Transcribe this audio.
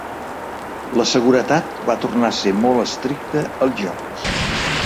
La seguretat va tornar a ser molt estricta als jocs.